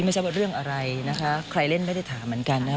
ไม่ใช่ว่าเรื่องอะไรนะคะใครเล่นไม่ได้ถามเหมือนกันนะครับ